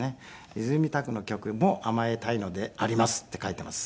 「いずみたくの曲も甘えたいのであります」って書いています。